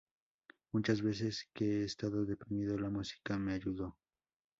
Muchas veces que he estado deprimido, la música me ayudó.